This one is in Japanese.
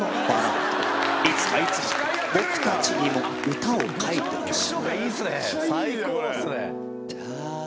いつかいつしか僕たちにも歌を書いてほしい。